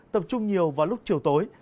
tập trung nhiều vào lúc chiều tối